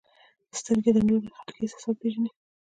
• سترګې د نورو خلکو احساسات پېژني.